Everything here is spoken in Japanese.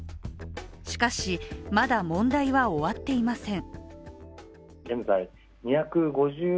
しかし、まだ問題は終わっていません。